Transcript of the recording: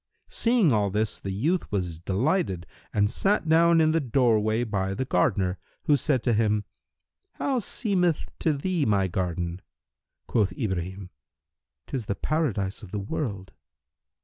Seeing all this the youth was delighted and sat down in the doorway by the gardener, who said to him, "How seemeth to thee my garden?" Quoth Ibrahim "'Tis the Paradise of the world!"